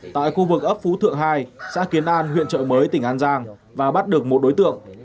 tại khu vực ấp phú thượng hai xã kiến an huyện trợ mới tỉnh an giang và bắt được một đối tượng